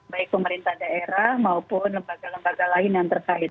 baik pemerintah daerah maupun lembaga lembaga lain yang terkait